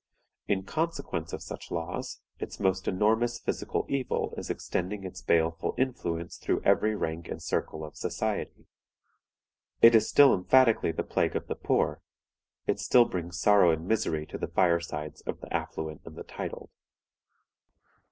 _In consequence of such laws, its most enormous physical evil is extending its baleful influence through every rank and circle of society._ It is still emphatically the plague of the poor; it still brings sorrow and misery to the firesides of the affluent and titled.